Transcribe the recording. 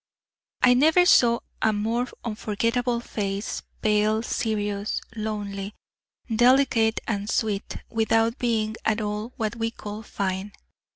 I never saw a more unforgettable face pale, serious, lonely, delicate, sweet, without being at all what we call fine.